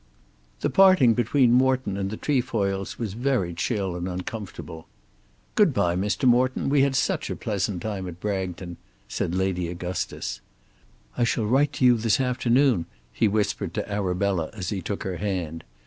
The parting between Morton and the Trefoils was very chill and uncomfortable. "Good bye, Mr. Morton; we had such a pleasant time at Bragton!" said Lady Augustus. "I shall write to you this afternoon," he whispered to Arabella as he took her hand.